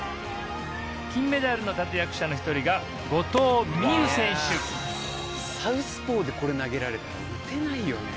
金メダルの立役者の一人が後藤希友選手サウスポーでこれ投げられたら打てないよ。